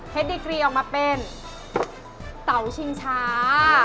ดีกรีออกมาเป็นเตาชิงช้า